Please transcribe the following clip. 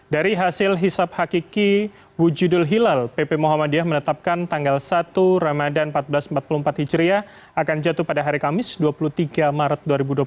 dari hasil hisap hakiki wujudul hilal pp muhammadiyah menetapkan tanggal satu ramadan seribu empat ratus empat puluh empat hijriah akan jatuh pada hari kamis dua puluh tiga maret dua ribu dua puluh tiga